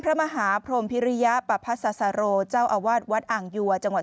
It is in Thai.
พระมหาพรมพิริยประพัสโรเจ้าอาวาสวัดอ่างยัวจังหวัด